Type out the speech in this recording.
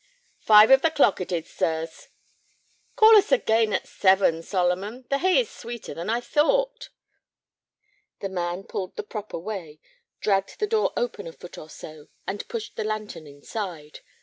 "Five of the clock it is, sirs." "Call us again at seven, Solomon; the hay is sweeter than I thought." The man pulled the prop away, dragged the door open a foot or so, and pushed the lantern inside.